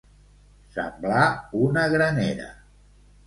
Semblar una granera.